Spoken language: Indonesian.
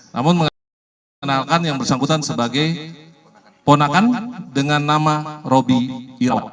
namun mengenalkan yang bersangkutan sebagai keponakan dengan nama robi irawan